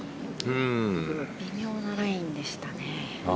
微妙なラインでしたね。